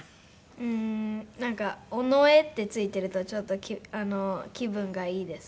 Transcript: うーんなんか「尾上」って付いてるとちょっと気分がいいですね。